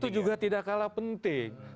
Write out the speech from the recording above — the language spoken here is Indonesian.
itu juga tidak kalah penting